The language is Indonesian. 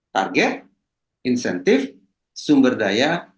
target insentif sumber daya